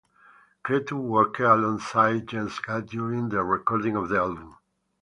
Cretu worked alongside Jens Gad during the recording of the album.